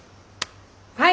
はい！